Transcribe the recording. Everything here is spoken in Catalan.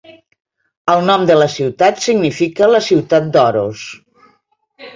El nom de la ciutat significa "la ciutat d'Oros".